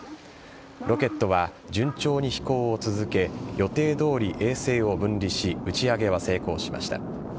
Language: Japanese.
ロケットは順調に飛行を続け予定どおり衛星を分離し打ち上げは成功しました。